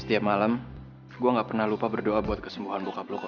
setiap malam gue gak pernah lupa berdoa buat kesembuhan bokap lo kok